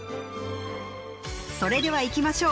それではいきましょう